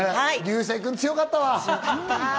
流星君、強かったわ。